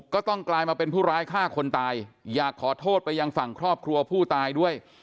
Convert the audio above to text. กลายมาเป็นผู้ร้ายฆ่าคนตายอยากขอโทษไปยังฝั่งครอบครัวผู้ตายด้วย